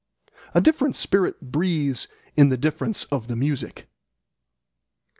A different spirit breathes in the difference of the music.